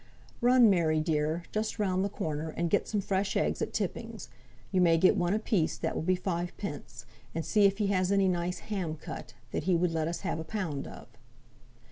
"Run, Mary dear, just round the corner, and get some fresh eggs at Tipping's (you may get one a piece, that will be five pence), and see if he has any nice ham cut, that he would let us have a pound of."